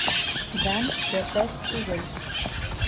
ДАН КӘПӘС ТҮГЕЛ